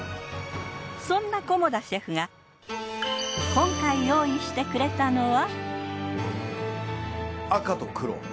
そんな菰田シェフが今回用意してくれたのは。